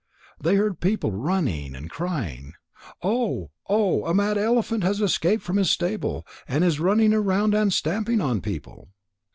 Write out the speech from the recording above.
They heard people running and crying: "Oh, oh! A mad elephant has escaped from his stable and is running around and stamping on people."